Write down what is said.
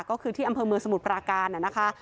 ก็คือที่อำเภอเมืองสมุทรปราการนะคะ